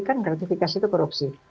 kan gratifikasi itu korupsi